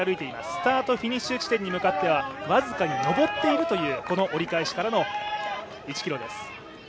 スタートフィニッシュ地点に向かっては僅かに上っているというこの折り返しからの１ｋｍです。